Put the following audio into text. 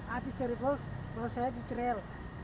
abis seri boks baru saya di trail